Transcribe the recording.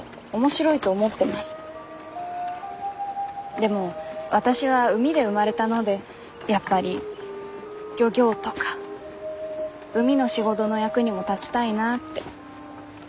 でも私は海で生まれたのでやっぱり漁業とか海の仕事の役にも立ちたいなって。